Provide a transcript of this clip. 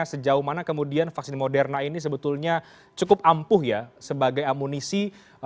sejauh mana kemudian vaksin moderna ini sebetulnya cukup ampuh ya sebagai amunisi